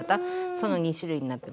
その２種類になってます。